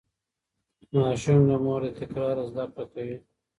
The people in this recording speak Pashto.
ماشوم د مور له تکرار زده کړه کوي.